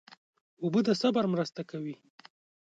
اوبه د صبر مرسته کوي.